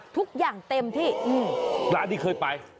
ทุกอย่างเต็มที่ร้านนี้เคยไป